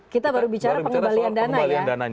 kita baru bicara pengembalian dana ya